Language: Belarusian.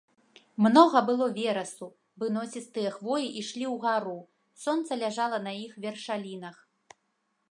Многа было верасу, выносістыя хвоі ішлі ўгару, сонца ляжала на іх вяршалінах.